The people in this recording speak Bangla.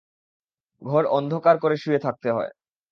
ঘর অন্ধকার করে শুয়ে থাকতে হয়।